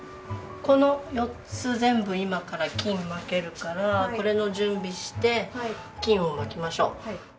この４つ全部今から金蒔けるからこれの準備して金を蒔きましょう。